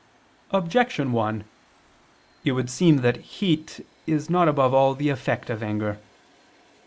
Objection 1: It would seem that heat is not above all the effect of anger.